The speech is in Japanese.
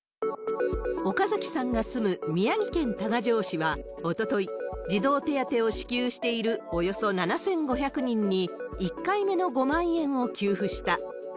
岡崎さんが住む宮城県多賀城市はおととい、児童手当を支給しているおよそ７５００人に、１回目の５万円を給付した。